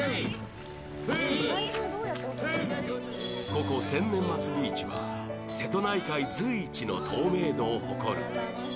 ここ千年松ビーチは瀬戸内海随一の透明度を誇る。